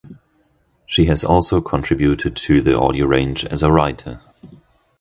She has also contributed to the audio range as a writer.